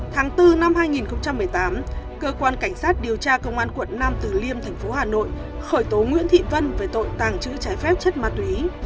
tháng bốn năm hai nghìn một mươi tám cơ quan cảnh sát điều tra công an quận nam từ liêm thành phố hà nội khởi tố nguyễn thị vân về tội tàng trữ trái phép chất ma túy